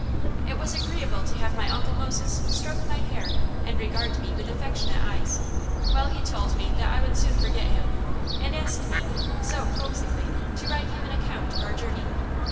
It was agreeable to have my Uncle Moses stroke my hair and regard me with affectionate eyes, while he told me that I would soon forget him, and asked me, so coaxingly, to write him an account of our journey.